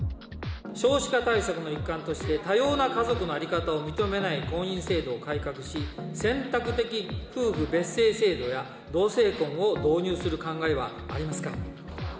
少子化対策の一環として、多様な家族の在り方を認めない婚姻制度を改革し、選択的夫婦別姓制度や、同性婚を導入する考えはありますか。